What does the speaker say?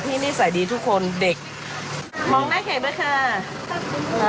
พี่นี่สายดีทุกคนเด็กมองได้เห็นไหมค่ะ